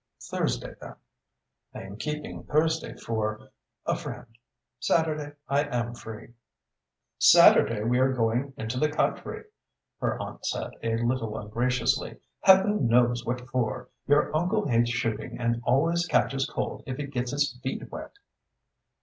"Thursday, then." "I am keeping Thursday for a friend. Saturday I am free." "Saturday we are going into the country," her aunt said, a little ungraciously. "Heaven knows what for! Your uncle hates shooting and always catches cold if he gets his feet wet."